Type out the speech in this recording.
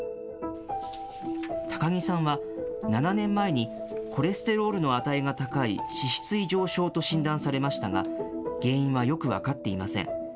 高木さんは、７年前にコレステロールの値が高い脂質異常症と診断されましたが、原因はよく分かっていません。